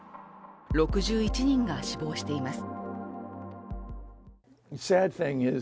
６１人が死亡しています。